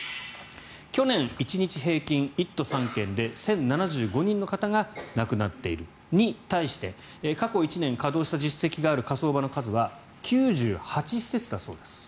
去年１日平均１都３県で１０７５人の方が亡くなっているのに対して過去１年稼働した実績がある火葬場の数は９８施設だそうです。